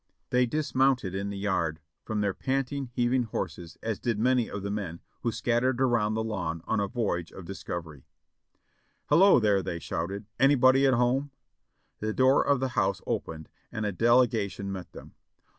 They dis mounted in the yard, from their panting, heavy horses, as did 582 JOHNNY REB AND BILLY YANK many of the men, who scattered aroun'l the lawn on a voyage of discovery. "Hello, there!" they shouted, "anybody at home?" The door of the house opened and a delegation met them.